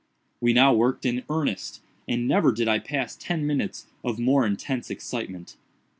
We now worked in earnest, and never did I pass ten minutes of more intense excitement.